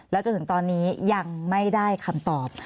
จนถึงตอนนี้ยังไม่ได้คำตอบ